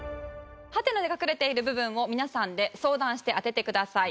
ハテナで隠れている部分を皆さんで相談して当ててください。